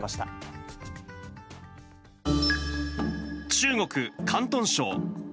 中国・広東省。